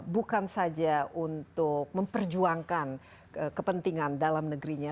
bukan saja untuk memperjuangkan kepentingan dalam negerinya